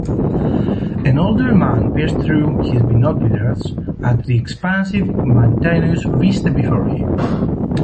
An older man peers through his binoculars at the expansive, mountainous vista before him.